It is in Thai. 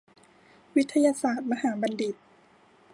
วิทยาศาสตร์มหาบัณฑิต